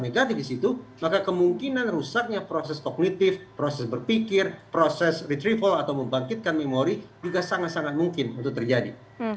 dan segala macam perasaan negatif disitu maka kemungkinan rusaknya proses kognitif proses berpikir proses retrieval atau membangkitkan memori juga sangat sangat mungkin untuk terjadi